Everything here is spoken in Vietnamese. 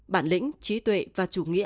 bản lĩnh trí tuệ và chủ nghĩa